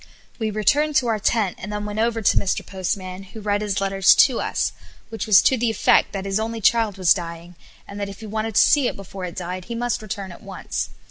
We returned to our tent and then went over to Mr. Postman, who read his letter to us, which was to the effect that his only child was dying, and that if he wanted to see it before it died he must return at once.